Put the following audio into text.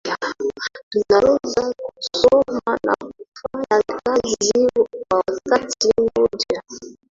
Tunaweza kusoma na kufanya kazi kwa wakati mmoja